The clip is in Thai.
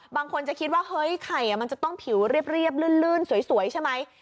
บางคนจะคิดว่าเฮ้ยไข่มันจะต้องผิวเรียบลื่นสวยใช่ไหม